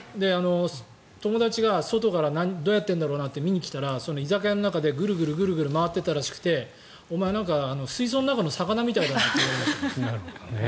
友達が、外からどうやってるんだろうなって見に来たら居酒屋の中でぐるぐる回っていたらしくてお前、なんか水槽の中の魚みたいだと言われました。